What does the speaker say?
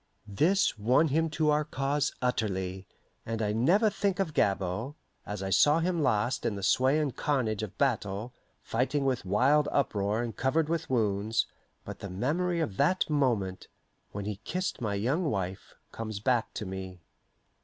This won him to our cause utterly, and I never think of Gabord, as I saw him last in the sway and carnage of battle, fighting with wild uproar and covered with wounds, but the memory of that moment, when he kissed my young wife, comes back to me.